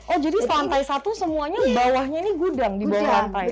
oh jadi lantai satu semuanya bawahnya ini gudang di bisir pantai